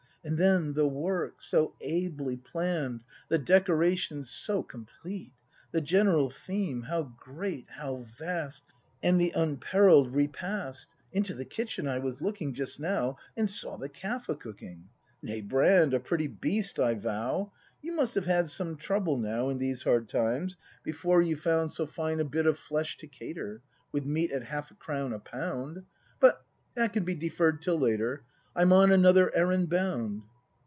And then, the work, so ably plann'd. The decoration, so complete, — The general theme — How great! How vast! — And the unparallel'd repast! Into the kitchen I was looking Just now, and saw the calf a cooking. Nay, Brand, a pretty beast, I vow! You must have had some trouble, now. In these hard times, before you found 236 BKAND [act v So fine a bit of flesh to cater, With meat at half a crown a pound! But that can be deferr'd till later. I'm on another errand bound.